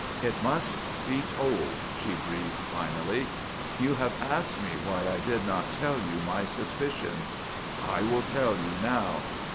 "It must be told," she breathed finally. "You have asked me why I did not tell you my suspicions. I will tell you now.